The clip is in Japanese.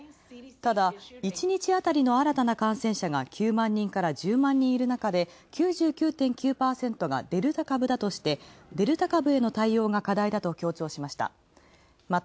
ただ１日あたりの新たな感染者が９万人から１０万人いるなかで、９９．９％がデルタ株だとしてデルタ株への対応が課題だと強調しました。